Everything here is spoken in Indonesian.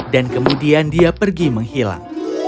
dan kemudian dia pergi menghilang